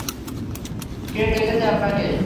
কে ডেকেছে আপনাকে?